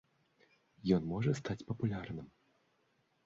Ён можа стаць папулярным?